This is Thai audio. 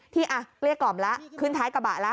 อ่ะเกลี้ยกล่อมแล้วขึ้นท้ายกระบะแล้ว